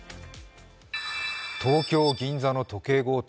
東京・銀座の時計強盗。